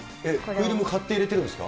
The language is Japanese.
フィルム買って入れてるんですか。